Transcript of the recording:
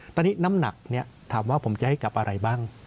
ตอนนี้น้ำหนักถามว่าผมจะให้กับอะไรบ้าง